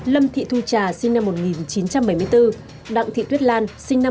lâm thị thu trà đặng thị tuyết lan